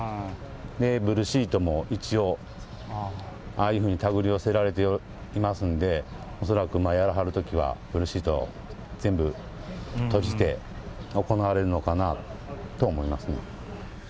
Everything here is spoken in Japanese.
で、ブルーシートも一応ああいうふうに手繰り寄せられていますんで、恐らく、やらはるときはブルーシート、全部閉じて、行われるのかなと思いますね。